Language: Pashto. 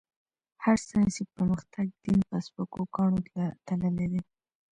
هر ساينسي پرمختګ؛ دين په سپکو کاڼو تللی دی.